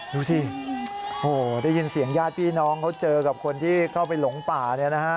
ดูสิได้ยินเสียงญาติพี่น้องเขาเจอกับคนที่เข้าไปหลงป่าเนี่ยนะฮะ